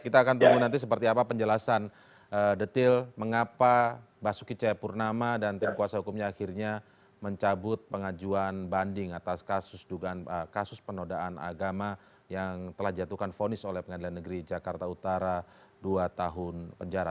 kita akan tunggu nanti seperti apa penjelasan detail mengapa basuki cahayapurnama dan tim kuasa hukumnya akhirnya mencabut pengajuan banding atas kasus penodaan agama yang telah jatuhkan fonis oleh pengadilan negeri jakarta utara dua tahun penjara